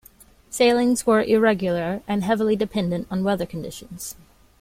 Sailings were irregular and heavily dependent on weather conditions.